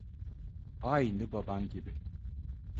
Aynı baban gibi.